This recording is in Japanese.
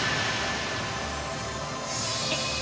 えっ？